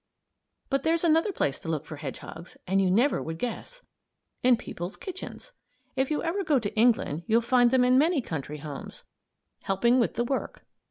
But there's another place to look for hedgehogs, and you never would guess! In people's kitchens. If you ever go to England you'll find them in many country homes, helping with the work.